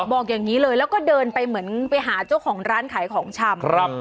บอกอย่างนี้เลยแล้วก็เดินไปเหมือนไปหาเจ้าของร้านขายของชำ